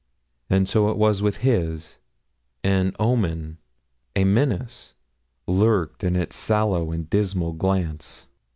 And so it was with his an omen, a menace, lurked in its sallow and dismal glance.